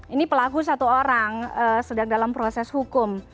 ini pelaku satu orang sedang dalam proses hukum